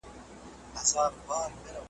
نه بیرغ نه به قانون وي نه پر نوم سره جوړیږو .